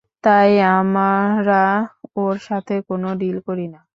তাই আমরা ওর সাথে কোনো ডিল করি না।